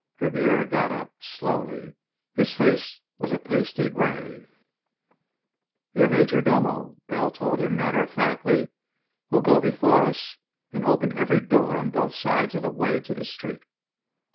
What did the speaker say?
Ribiera got up. Slowly. His face was a pasty gray. "Your major domo," Bell told him matter of factly, "will go before us and open every door on both sides of the way to the street.